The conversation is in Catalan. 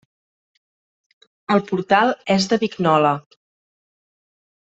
El portal és de Vignola.